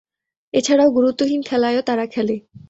এছাড়াও, গুরুত্বহীন খেলায়ও তারা খেলে।